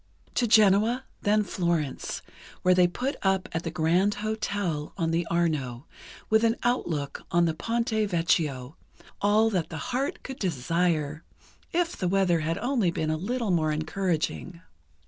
To Genoa, then Florence, where they put up at the Grand Hotel on the Arno, with an outlook on the Ponte Vecchio, all that the heart could desire, if the weather had only been a little more encouraging.